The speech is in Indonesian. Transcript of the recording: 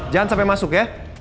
jangan sampai masuk ya